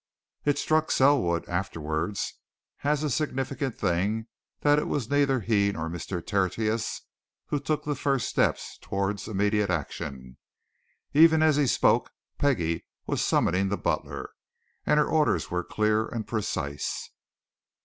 It struck Selwood, afterwards, as a significant thing that it was neither he nor Mr. Tertius who took the first steps towards immediate action. Even as he spoke, Peggie was summoning the butler, and her orders were clear and precise.